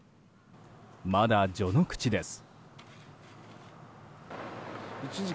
まだ序の口です。